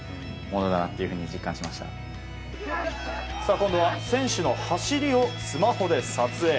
今度は選手の走りをスマホで撮影。